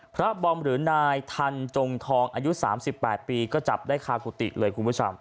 พระบอมหรือนายทันจงทองอายุสามสิบแปดปีก็จับได้คากุติเลยคุณผู้ชม